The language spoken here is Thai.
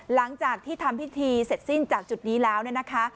หลังจากที่ทำพิธีเสร็จสิ้นจากจุดนี้แล้วเนี่ยนะคะ